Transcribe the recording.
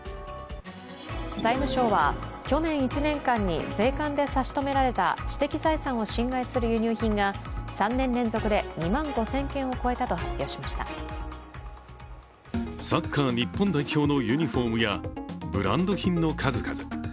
財務省は去年１年間に税関で差し止められた知的財産を侵害する輸入品が３年連続で２万５０００件を超えたと発表しましたサッカー日本代表のユニフォームやブランド品の数々。